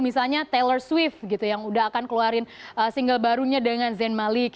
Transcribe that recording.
misalnya taylor swift gitu yang udah akan keluarin single barunya dengan zen malik